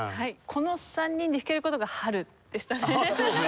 この３人で弾ける事が春でしたね。